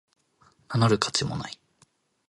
名乗る価値もない